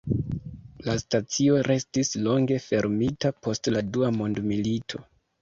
La stacio restis longe fermita post la Dua mondmilito.